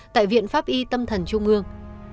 tại viện pháp y tâm thần trung ương